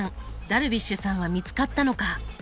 ダルビッシュさんは見つかったのか？